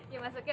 iya masuk yuk